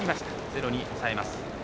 ゼロに抑えます。